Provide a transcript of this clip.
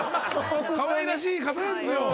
かわいらしい方なんですよ